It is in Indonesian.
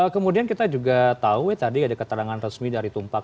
kemudian kita juga tahu tadi ada keterangan resmi dari tumpak